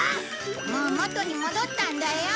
もう元に戻ったんだよ。